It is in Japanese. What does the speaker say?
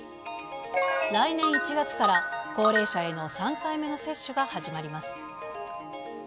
来年１月から高齢者への３回目の接種が始まります。